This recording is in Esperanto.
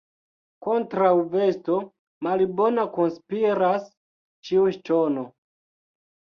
Kontraŭ vesto malbona konspiras ĉiu ŝtono.